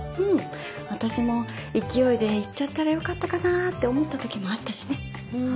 うん私も勢いで行っちゃったらよかったかなって思った時もあったしね。